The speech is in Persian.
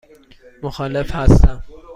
مخالف هستم.